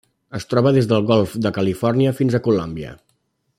Es troba des del Golf de Califòrnia fins a Colòmbia.